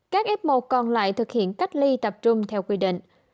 các f một còn lại thực hiện cách ly tập trung theo quy định